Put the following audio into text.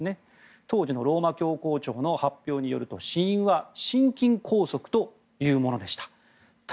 当時のローマ教皇庁の発表によると死因は心筋梗塞でした。